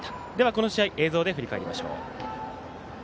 この試合映像で振り返りましょう。